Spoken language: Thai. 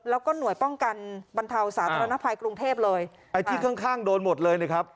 แล้วก็หน่วยป้องกันบรรเทาสาธารณภัยกรุงเทพเลยไอ้ที่ข้างข้างโดนหมดเลยนะครับ